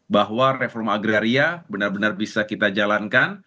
bahwa reforma agraria benar benar bisa kita jalankan